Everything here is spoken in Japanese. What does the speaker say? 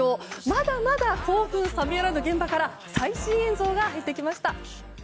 まだまだ興奮冷めやらぬ現場から最新映像が入ってきました。